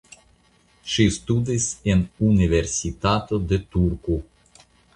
Ŝi ŝtudis en Universitato de Turku.